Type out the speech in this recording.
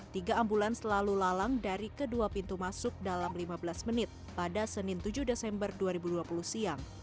tiga ambulans selalu lalang dari kedua pintu masuk dalam lima belas menit pada senin tujuh desember dua ribu dua puluh siang